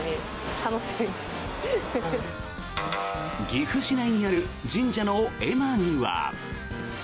岐阜市内にある神社の絵馬には。